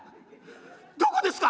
どこですか？